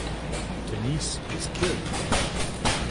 Denise is killed.